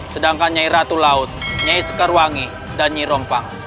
sedangkan nyai ratu laut nyai sekarwangi dan nyai rompang